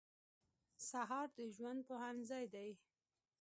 سهار د ژوند پوهنځی دی.